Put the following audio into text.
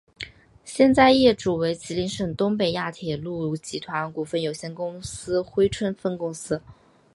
现在业主为吉林省东北亚铁路集团股份有限公司珲春分公司。